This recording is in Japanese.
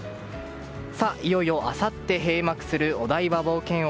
さあ、いよいよあさって閉幕するお台場冒険王。